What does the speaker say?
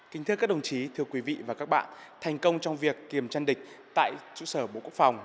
kính thưa các đồng chí thưa quý vị và các bạn thành công trong việc kiểm tra địch tại trụ sở bộ quốc phòng